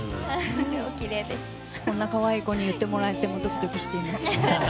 こんなかわいい子に言ってもらえてドキドキしています。